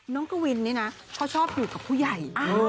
กวินนี่นะเขาชอบอยู่กับผู้ใหญ่